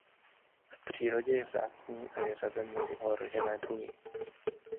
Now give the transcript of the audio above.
V přírodě je vzácný a je řazen mezi ohrožené druhy.